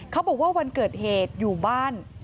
เขาบอกว่าวันเกิดเหตุอยู่บ้าน